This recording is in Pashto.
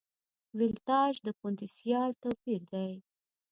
ولتاژ د پوتنسیال توپیر دی.